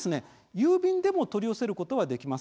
郵便でも取り寄せることはできます。